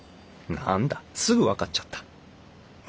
何だすぐ分かっちゃった。